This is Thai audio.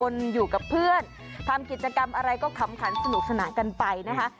อยู่กับเพื่อนทำกิจกรรมอะไรก็ขำขันสนุกสนานกันไปนะคะ